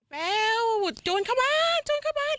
แววจูนเข้าบ้านจูนเข้าบ้าน